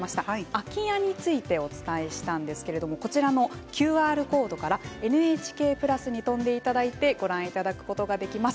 空き家についてお伝えしたんですけれどこちらのＱＲコードからＮＨＫプラスに飛んでいただいてご覧いただくことができます。